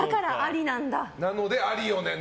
なので、ありよね！と。